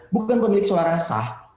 bukan pemilik suara sah